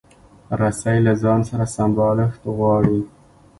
رسۍ له ځان سره سمبالښت غواړي.